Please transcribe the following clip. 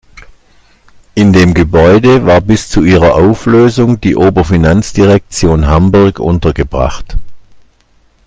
In dem Gebäude war bis zu ihrer Auflösung die Oberfinanzdirektion Hamburg untergebracht.